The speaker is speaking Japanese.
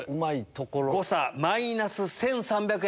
誤差マイナス１３００円。